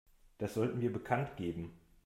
Das sollten wir bekanntgeben.